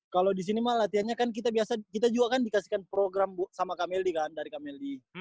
kalau disini mah latihannya kan kita juga kan dikasihkan program sama kamel d kan dari kamel d